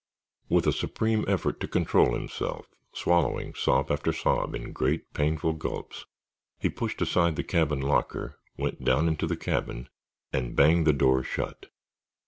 With a supreme effort to control himself, swallowing sob after sob in great painful gulps, he pushed aside the cabin locker, went down into the cabin and banged the door shut.